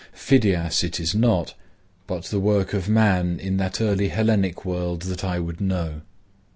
Phidias it is not, but the work of man in that early Hellenic world that I would know.